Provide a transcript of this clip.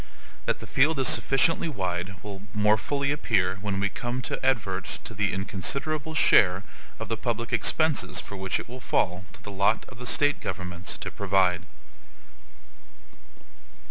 That the field is sufficiently wide will more fully appear when we come to advert to the inconsiderable share of the public expenses for which it will fall to the lot of the State governments to provide.